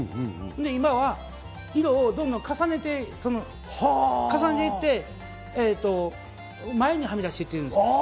今は色をどんどん重ねて重ねていって前にはみ出して行ってるんです。